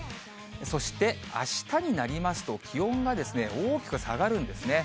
そして、あしたになりますと、気温が大きく下がるんですね。